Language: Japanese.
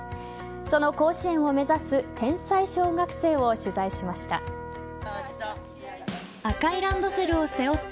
その甲子園を目指す天才小学生を取材しました。